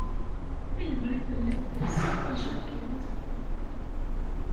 Ayɣer i telliḍ telsiḍ tajakiḍt?